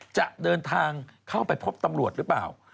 จะเดินทางเข้าไปพบตำรวจหรือเปล่า